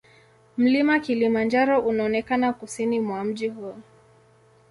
Mlima Kilimanjaro unaonekana kusini mwa mji huu.